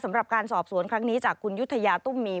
สำหรับการสอบสวนครั้งนี้จากคุณยุธยาตุ้มมี